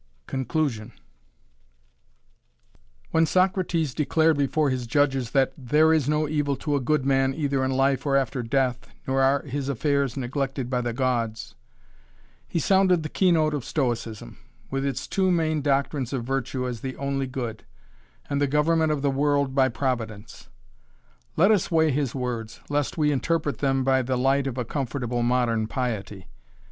CONCLUSION When Socrates declared before his judges that "there is no evil to a good man either in life or after death, nor are his affairs neglected by the gods", he sounded the keynote of Stoicism, with its two main doctrines of virtue as the only good, and the government of the world by Providence. Let us weigh his words, lest we interpret them by the light of a comfortable modern piety.